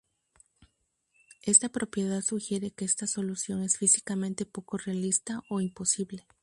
Esta propiedad sugiere que esta solución es físicamente poco realista o imposible.